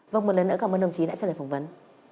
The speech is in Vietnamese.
vâng một lần nữa cảm ơn đồng chí đã trả lời phỏng vấn